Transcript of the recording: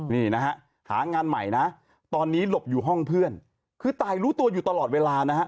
นี่นะฮะหางานใหม่นะตอนนี้หลบอยู่ห้องเพื่อนคือตายรู้ตัวอยู่ตลอดเวลานะฮะ